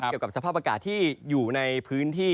เกี่ยวกับสภาพอากาศที่อยู่ในพื้นที่